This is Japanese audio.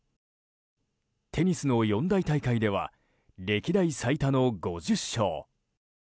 テニスの四大大会では歴代最多の５０勝。